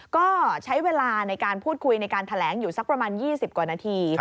ก็ใช้เวลาในการพูดคุยในการแถลงอยู่สักประมาณ๒๐กว่านาที